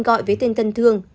gọi với tên thân thương